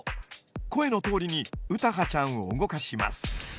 声のとおりに詩羽ちゃんを動かします。